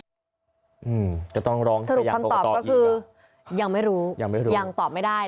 สรุปคำตอบก็คือยังไม่รู้ยังตอบไม่ได้